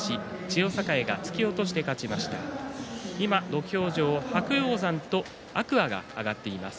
土俵上は白鷹山と天空海が上がっています。